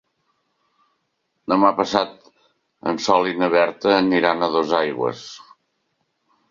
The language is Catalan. Demà passat en Sol i na Berta aniran a Dosaigües.